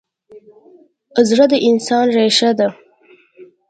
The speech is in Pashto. زړه د انسان ریښه ده.